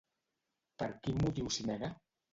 Per quin motiu s'hi nega?